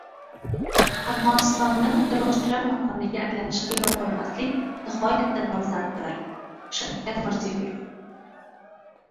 “Afg‘onistonni terrorchilar makoniga aylanishiga yo‘l qo‘ymaslik nihoyatda dolzarbdir” — Shavkat Mirziyoyev